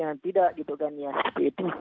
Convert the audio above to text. yang tidak gitu kan ya seperti itu